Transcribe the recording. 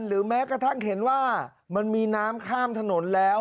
แม้กระทั่งเห็นว่ามันมีน้ำข้ามถนนแล้ว